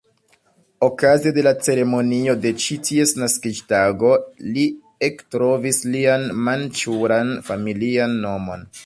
Okaze de la ceremonio de ĉi ties naskiĝtago, li ektrovis lian manĉuran familian nomon.